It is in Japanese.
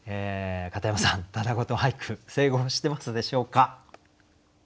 片山さんただごと俳句成功していますでしょうか？